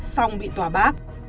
xong bị tòa bác